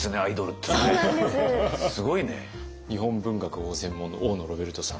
日本文学をご専門の大野ロベルトさん。